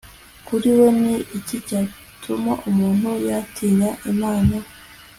kuri we, ni iki cyatuma umuntu yatinya imana